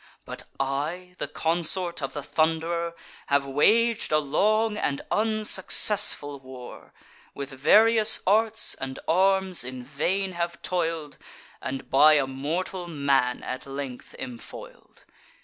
But I, the consort of the Thunderer, Have wag'd a long and unsuccessful war, With various arts and arms in vain have toil'd, And by a mortal man at length am foil'd.